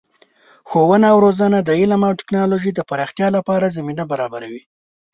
ښوونه او روزنه د علم او تکنالوژۍ د پراختیا لپاره زمینه برابروي.